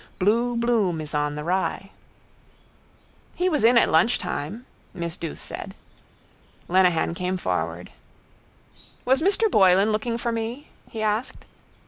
Blue bloom is on the rye. —He was in at lunchtime, miss Douce said. Lenehan came forward. —Was Mr Boylan looking for me? He asked.